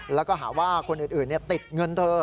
แล้วก็หาว่าคนอื่นติดเงินเธอ